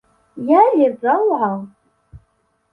يا للروعة!